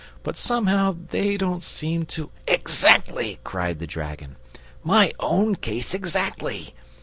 But somehow they don't seem to " "Exactly," cried the dragon; "my own case exactly.